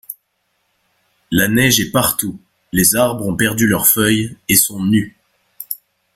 La neige est partout, les arbres ont perdu leurs feuilles et sont nus.